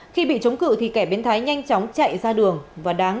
khi bị chống cự thì kẻ biến thái nhanh chóng chạy ra đường